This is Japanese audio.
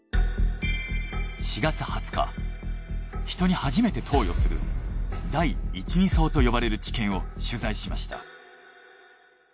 ４月２０日人に初めて投与する第１／２相と呼ばれる治験を取材しました。